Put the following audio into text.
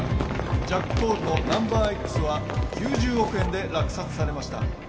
ジャックポールの「ナンバーＸ」は９０億円で落札されました